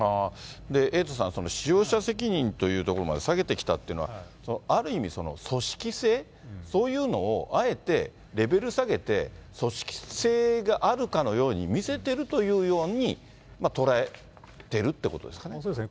エイトさん、その使用者責任っていうところまで下げてきたっていうのは、ある意味、組織性、そういうのをあえてレベル下げて、組織性があるかのように見せてるというように捉えてるってことでそうですね。